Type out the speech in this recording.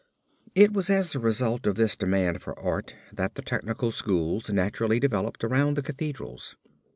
It was as the result of this demand for art that the technical schools naturally developed around the Cathedrals.